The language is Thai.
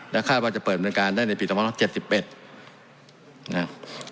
และค่าว่าจะเปิดประการได้ในปีตะมาน้องเจ็ดสิบเป็นนะครับ